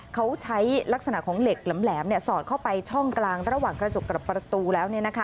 เขาใช้ลักษณะของเหล็กแหลมสอดเข้าไปช่องกลางระหว่างกระจกกับประตูแล้ว